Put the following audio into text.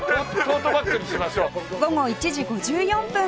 午後１時５４分から